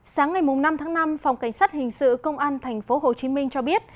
sáng ngày năm tháng năm phòng cảnh sát hình sự công an tp hcm cho biết